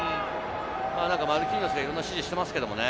マルキーニョスがいろんな指示をしてますけれどもね。